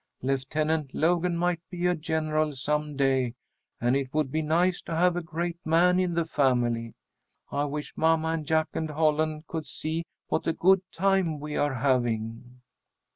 Lieutenant Logan might be a general some day, and it would be nice to have a great man in the family. I wish mamma and Jack and Holland could see what a good time we are having."